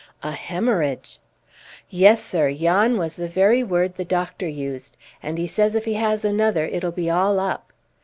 "A hemorrhage!" "Yes, sir, yon was the very word the doctor used, and he says if he has another it'll be all up.